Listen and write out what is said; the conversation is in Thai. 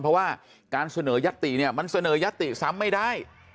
เพราะว่าการเสนอยัตติเนี่ยมันเสนอยัตติซ้ำไม่ได้